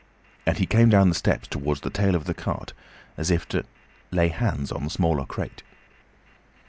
And he came down the steps towards the tail of the cart as if to lay hands on the smaller crate.